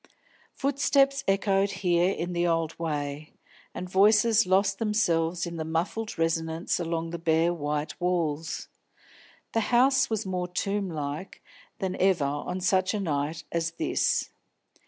Footsteps echoed here in the old way, and voices lost themselves in a muffled resonance along the bare white walls. The house was more tomb like than ever on such a night as this.